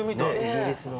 イギリスの。